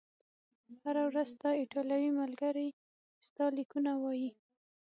هره ورځ، ستا ایټالوي ملګري ستا لیکونه وایي؟